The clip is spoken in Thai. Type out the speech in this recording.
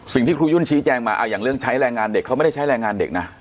ครูยุ่นชี้แจงมาอย่างเรื่องใช้แรงงานเด็กเขาไม่ได้ใช้แรงงานเด็กนะ